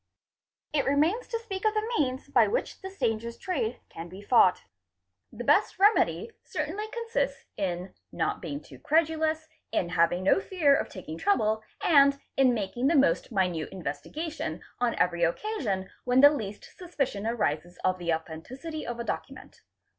It remains to speak of the means by which this dangerous trade can _ be fought. The best remedy certainly consists in not being too credulous, in having no fear of taking trouble, and in making the most minute investi gation on every occasion when the least suspicion arises of the authenticity | ofadocument.